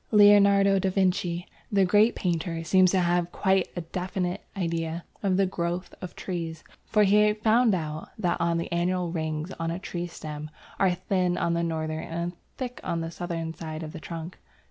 Leonardo da Vinci, the great painter, seems to have had quite a definite idea of the growth of trees, for he found out that the annual rings on a tree stem are thin on the northern and thick on the southern side of the trunk.